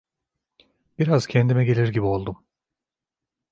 Biraz kendime gelir gibi oldum.